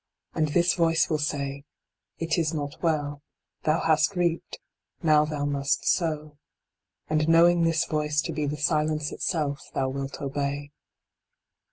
And this voice will say, It is not well ; thou hast reaped, now thou must sow. And knowing this voice to be the silence itself thou wilt obey.